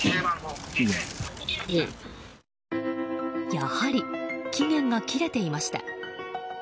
やはり期限が切れていました。